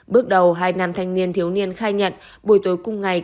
bước đầu hai nam thanh niên thiếu niên khai nhận buổi tối cùng ngày